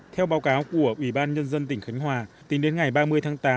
theo báo cáo của ủy ban nhân dân tỉnh khánh hòa tính đến ngày ba mươi tháng tám